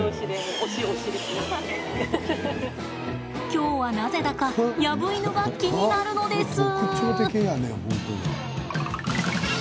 今日は、なぜだかヤブイヌが気になるのです。